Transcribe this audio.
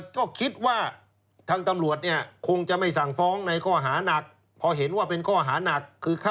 ก็คิดว่าทางตำรวจคงจะไม่สั่งฟ้องในข้อหาหนัก